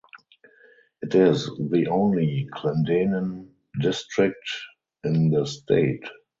It is the only Clendenin District in the state.